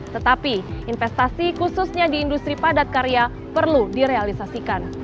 tetapi investasi khususnya di industri padat karya perlu direalisasikan